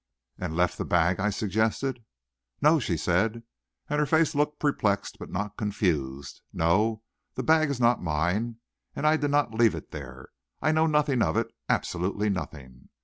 "And left the bag," I suggested. "No," she said, and her face looked perplexed, but not confused. "No, the bag is not mine, and I did not leave it there. I know nothing of it, absolutely nothing.